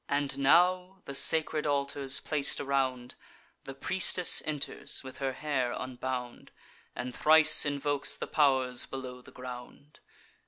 And now (the sacred altars plac'd around) The priestess enters, with her hair unbound, And thrice invokes the pow'rs below the ground.